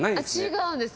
違うんです。